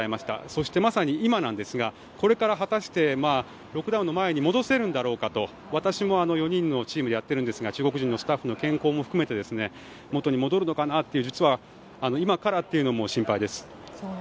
そして、まさに今なんですがこれから果たしてロックダウンの前に戻せるのだろうかと私も４人のチームでやっているんですが中国人スタッフの健康も含めて元に戻るのかなと実は今からというのも心配です。